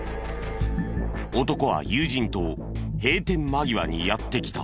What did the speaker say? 男は友人と閉店間際にやって来た。